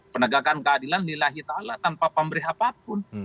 penegakan keadilan lillahi ta'ala tanpa pemberi apapun